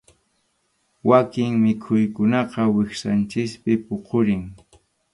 Wakin mikhuykunaqa wiksanchikpi puqurin.